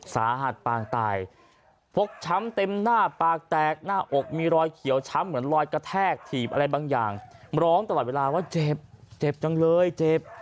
สาหัสปางตายฟกช้ำเต็มหน้าปากแตกหน้าอกมีรอยเขียวช้ำเหมือนรอยกระแทกถีบอะไรบางอย่างร้องตลอดเวลาว่าเจ็บเจ็บจังเลยเจ็บ